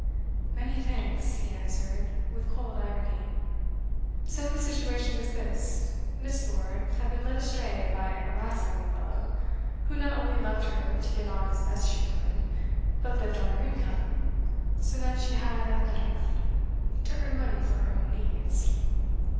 'Many thanks,' he answered, with cold irony. 'So the situation was this: Miss. Lord had been led astray by a rascally fellow, who not only left her to get on as best she could, but lived on her income, so that she had at length to earn money for her own needs.